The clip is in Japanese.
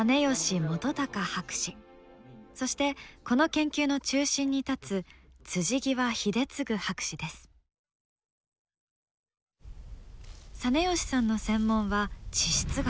そしてこの研究の中心に立つ實吉さんの専門は地質学。